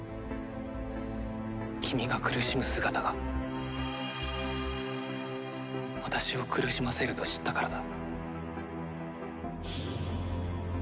「君が苦しむ姿が私を苦しませると知ったからだ」